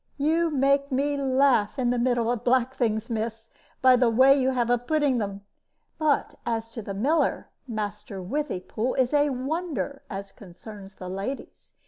"You make me laugh in the middle of black things, miss, by the way you have of putting them. But as to the miller Master Withypool is a wonder, as concerns the ladies.